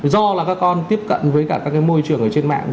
do là các con tiếp cận với cả các môi trường ở trên mạng